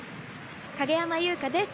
影山優佳です！